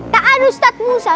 tak ada ustadz musa